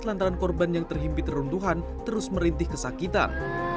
lantaran korban yang terhimpit runtuhan terus merintih kesakitan